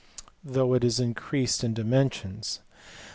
though it is increased in dimensions.